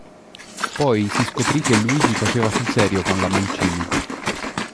Poi si scoprì che Luigi faceva sul serio con la Mancini.